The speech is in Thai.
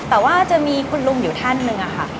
แต่ว่าจะมีคุณลุงอยู่ท่านหนึ่งค่ะ